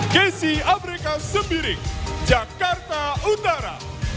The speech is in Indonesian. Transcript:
gesi afrika sembirik jakarta utara